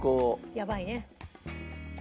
やばいね。